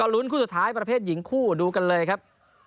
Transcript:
ลุ้นคู่สุดท้ายประเภทหญิงคู่ดูกันเลยครับ